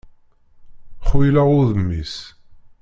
Xuyleɣ udem-is.